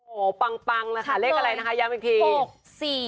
โอ้ปังนะคะเลขอะไรนะคะยังอีกที๖๔๕๗